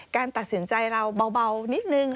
การตัดสินใจเราเบานิดนึง